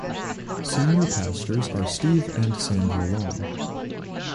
Senior pastors are Steve and Sandra Long.